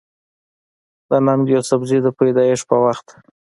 د ننګ يوسفزۍ د پېدايش پۀ وخت